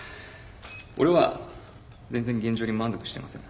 俺は全然現状に満足してません。